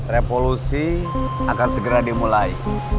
revolusi akan segera dimulai